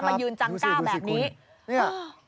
มายืนจังกล้าแบบนี้เนี่ยเหรอครับดูสิดูสิคุณเนี่ย